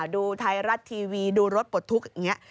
ดูไทยรัฐทีวีดูรถปลดทุกข์อย่างนี้